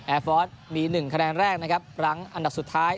ฟอร์สมี๑คะแนนแรกนะครับหลังอันดับสุดท้าย